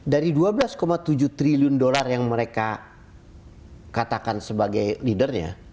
dari dua belas tujuh triliun dolar yang mereka katakan sebagai leadernya